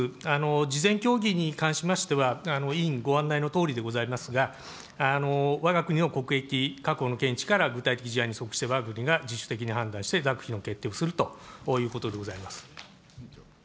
事前協議に関しましては、委員ご案内のとおりでございますが、わが国の国益、過去の見地から具体的事案にそくしてわが国が自主的に判断して、諾否の判断をするということでございます。